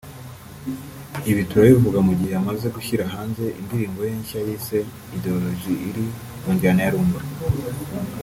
Ibi turabivuga mu gihe yamaze gushyira hanze indirimbo ye nshya yise ‘Ideologie’ iri mu njyana ya Rumba